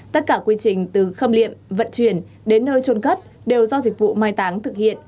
tất cả quy trình từ khâm liệm vận chuyển đến nơi trôn cất đều do dịch vụ mai táng thực hiện